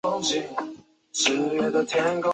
巴士总站位于车站北侧外的一楼。